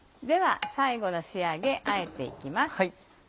では最後の仕上げあえて行きます。